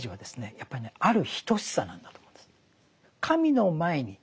やっぱりねある等しさなんだと思うんです。